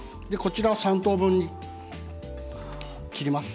こちらを３等分に切ります。